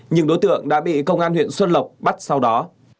nhưng đối tượng đã bị công an huyện xuân lộc bắt sau đó